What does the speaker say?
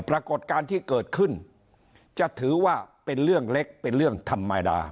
ปรากฏการณ์ที่เกิดขึ้นจะถือว่าเป็นเรื่องเล็กเป็นเรื่องธรรมดา